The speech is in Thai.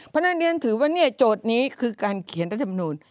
เพราะฉะนั้นเรียนถือว่าเนี่ยโจทย์นี้คือการเขียนรัฐมนูล